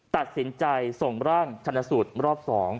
ตัดสินใจส่งร่างชันสูตรรอบ๒